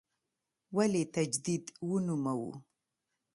ولې تجدید ونوموو.